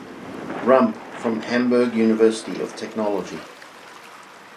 Rump from Hamburg University of Technology.